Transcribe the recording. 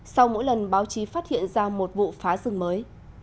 sau mỗi lần báo chí phát hiện ra một vụ phá rừng mới